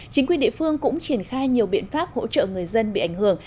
chính quyền địa phương cũng triển khai nhiều biện pháp hỗ trợ người dân bị ảnh hưởng